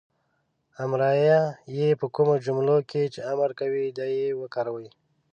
امریه "ئ" په کومو جملو کې چې امر کوی دا "ئ" وکاروئ